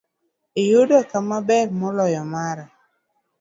Iyudo kama ber moloyo mara.